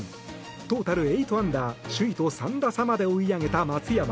トータル８アンダー、首位と３打差まで追い上げた松山。